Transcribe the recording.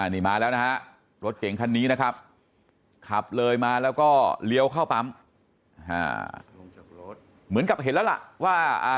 นี่มาแล้วนะฮะรถเก่งคันนี้นะครับขับเลยมาแล้วก็เลี้ยวเข้าปั๊มเหมือนกับเห็นแล้วล่ะว่า